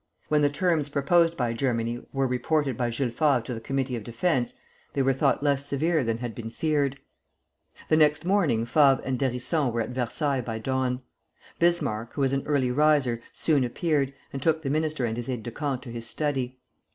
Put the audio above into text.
When the terms, proposed by Germany were reported by Jules Favre to the Committee of Defence, they were thought less severe than had been feared. The next morning Favre and d'Hérisson were at Versailles by dawn. Bismarck, who was an early riser, soon appeared, and took the minister and his aide de camp to his study.